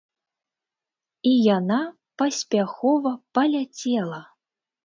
І яна паспяхова паляцела!